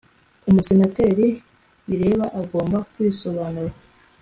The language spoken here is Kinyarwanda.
umusenateri bireba agomba kwisobanura.